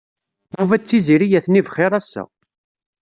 Yuba d Tiziri atni bxir ass-a.